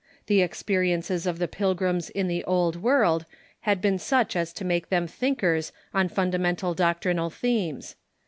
The experi ences of the Pilgrims in the Old World had been such as to make them thinkers on fundamental doctrinal themes.